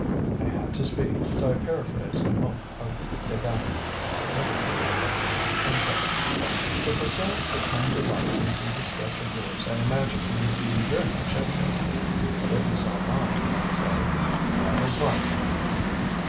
I had to speak, so I paraphrased a mot of Degas (I think it was Degas) and said: "If Rousseau could come to life and see this sketch of yours, I imagine he would be very much interested, but if he saw mine he might say, 'That is my fault!'"